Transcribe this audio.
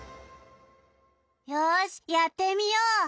よしやってみよう。